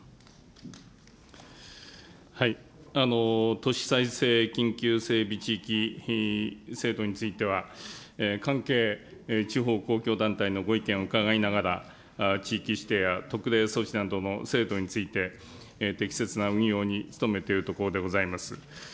都市再生緊急整備地域制度については、関係地方公共団体のご意見を伺いながら、地域指定や特例措置などの制度について、適切な運用に努めているところでございます。